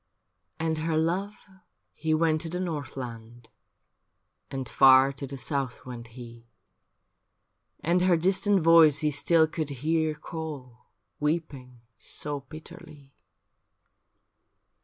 And her love he went to the north land, And far to the south went he, And her distant voice he still could hear Call weeping so bitterly.